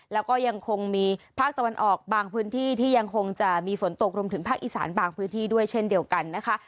แล้วก็ยังคงมีภาคตะวันออกบางพื้นที่ที่ยังคงจะมีฝนตกรวมถึงภาคอีสานบางพื้นที่ด้วยเช่นเดียวกันนะคะ